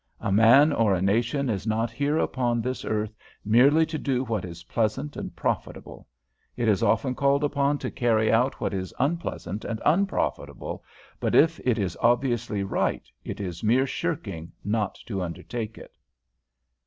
A man or a nation is not here upon this earth merely to do what is pleasant and profitable. It is often called upon to carry out what is unpleasant and unprofitable; but if it is obviously right, it is mere shirking not to undertake it."